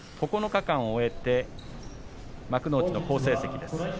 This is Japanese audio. ９日間を終えて幕内の成績です。